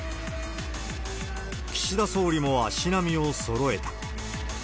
岸田総理も足並みをそろえた。